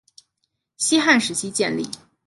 西汉时期建立。